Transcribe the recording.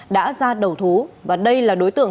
đã ra đầu thú và đây là đối tượng